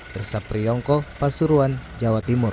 bersapriyongko pasuruan jawa timur